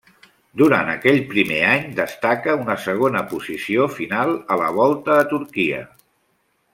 Durant aquell primer any destaca una segona posició final a la Volta a Turquia.